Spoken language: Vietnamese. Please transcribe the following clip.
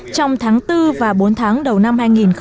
trong tháng bốn và bốn tháng đầu năm hai nghìn một mươi tám